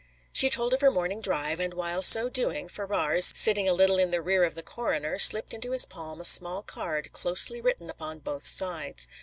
She told of her morning drive, and while so doing, Ferrars, sitting a little in the rear of the coroner, slipped into his palm a small card closely written upon both sides.